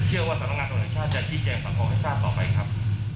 เชื่อว่าสำนักงานทรวจนะชาติจะที่แจงสัตว์ครึกชาติต่อไปครับ